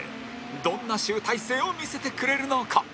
どんな集大成を見せてくれるのか？